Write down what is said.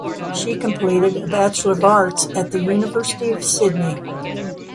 She completed a Bachelor of Arts at the University of Sydney.